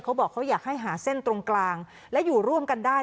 เขาบอกเขาอยากให้หาเส้นตรงกลางและอยู่ร่วมกันได้